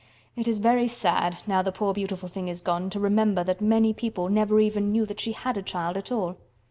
It is very sad, now the poor beautiful thing is gone, to remember that many people never even knew that she had a child at all."